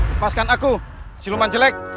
lepaskan aku siluman jelek